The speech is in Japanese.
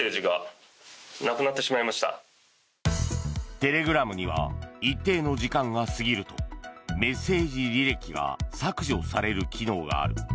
テレグラムには一定の時間が過ぎるとメッセージ履歴が削除される機能がある。